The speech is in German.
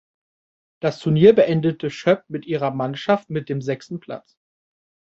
Das Turnier beendete Schöpp mit ihrer Mannschaft mit dem sechsten Platz.